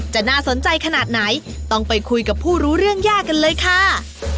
จะน่าสนใจขนาดไหนต้องไปคุยกับผู้รู้เรื่องยากกันเลยค่ะ